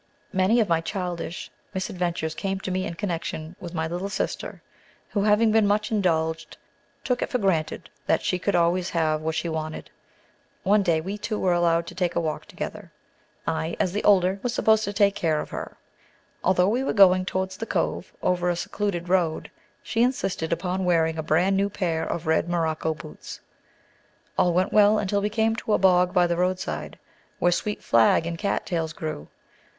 Many of my childish misadventures came to me in connection with my little sister, who, having been much indulged, too it for granted that she could always have what she wanted. One day we two were allowed to take a walk together; I, as the older, being supposed to take care of her. Although we were going towards the Cove, over a secluded road, she insisted upon wearing a brand new pair of red morocco boots. All went well until we came to a bog by the roadside, where sweet flag and cat tails grew.